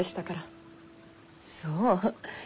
そう。